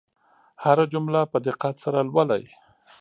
هره جمله په دقت سره لولئ.